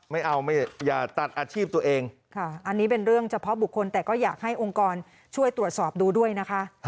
ไม่เอาไม่อย่าตัดอาชีพตัวเองค่ะอันนี้เป็นเรื่องเฉพาะบุคคลแต่ก็อยากให้องค์กรช่วยตรวจสอบดูด้วยนะคะ